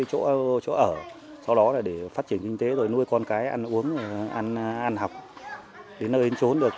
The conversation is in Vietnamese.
chỗ ở sau đó là để phát triển kinh tế nuôi con cái ăn uống ăn học đến nơi chốn được